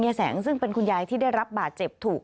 แสงซึ่งเป็นคุณยายที่ได้รับบาดเจ็บถูก